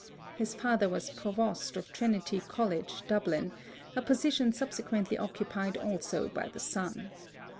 His father was Provost of Trinity College, Dublin, a position subsequently occupied also by the son.